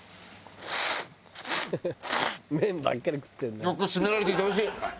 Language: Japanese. よく締められていておいしい！